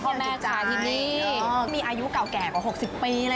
เป็นที่ที่จะจุดใจมีอายุเก่าแก่กว่า๖๐ปีเลยนะคะ